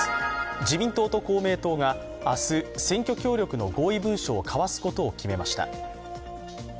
自民党と公明党が明日、選挙協力の合意文書を交わすことを決めました。